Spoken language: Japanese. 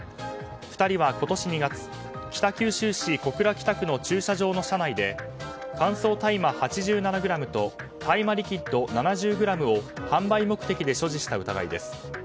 ２人は今年２月北九州市小倉北区の駐車場の車内で乾燥大麻８７ｇと大麻リキッド７０ｇを販売目的で所持した疑いです。